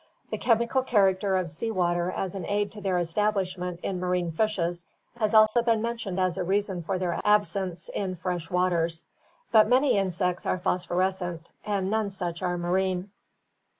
The chemical character of sea water as an aid to their establishment in marine fishes has also been mentioned as a reason for their absence in fresh waters. But many insects are phosphorescent and none such are marine.